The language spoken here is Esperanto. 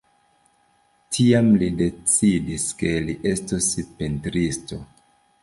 Tiam li decidis, ke li estos pentristo.